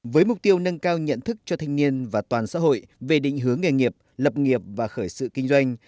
với mục tiêu nâng cao nhận thức cho thanh niên và toàn xã hội về định hướng nghề nghiệp lập nghiệp và khởi sự kinh doanh